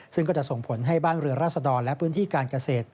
ซึ่งก็จะส่งผลให้บ้านเรือราษดรและพื้นที่การเกษตร